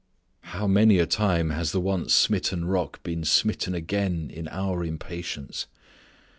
How many a time has the once smitten Rock been smitten again in our impatience!